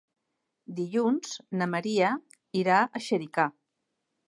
Dilluns na Maria irà a Xèrica.